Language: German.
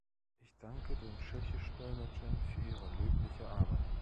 Ich danke den Tschechisch-Dolmetschern für ihre löbliche Arbeit.